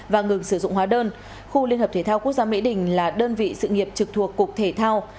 và ngừng sử dụng hóa đơn khu liên hợp thể thao quốc gia mỹ đình là đơn vị sự nghiệp trực thuộc cục thể thao